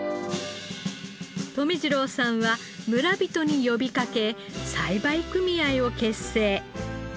留次郎さんは村人に呼びかけ栽培組合を結成。